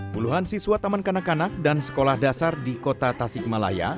puluhan siswa taman kanak kanak dan sekolah dasar di kota tasikmalaya